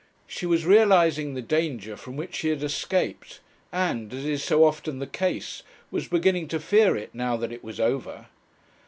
She was realizing the danger from which she had escaped, and, as is so often the case, was beginning to fear it now that it was over.